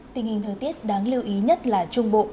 tình hình thời tiết đáng lưu ý nhất là trung bộ